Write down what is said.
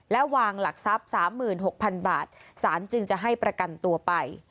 และวางหลักทรัพย์๓๖๐๐๐บาทสารจึงจะให้ประกันตัวไป